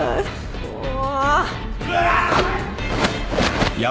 もう！